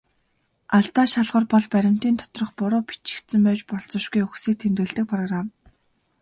Алдаа шалгуур бол баримтын доторх буруу бичигдсэн байж болзошгүй үгсийг тэмдэглэдэг программ.